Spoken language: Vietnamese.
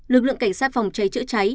lực lượng cảnh sát phòng cháy chữa cháy